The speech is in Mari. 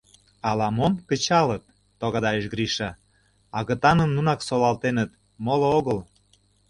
«Ала-мом кычалыт, — тогдайыш Гриш, — Агытаным нунак солалтеныт, моло огыл.